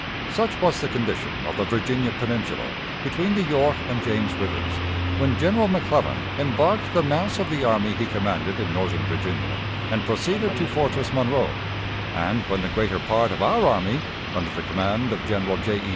Such was the condition of the Virginia Peninsula between the York and James Rivers when General McClellan embarked the mass of the army he commanded in northern Virginia and proceeded to Fortress Monroe; and when the greater part of our army, under the command of General J. E.